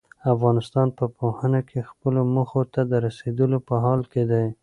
افغانستان په پوهنه کې خپلو موخو ته د رسېدو په حال کې دی.